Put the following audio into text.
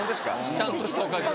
ちゃんとしたおかず。